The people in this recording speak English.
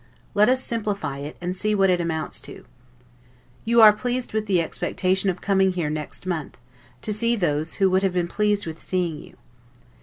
Let us simplify it, and see what it amounts to. You are pleased with the expectation of coming here next month, to see those who would have been pleased with seeing you.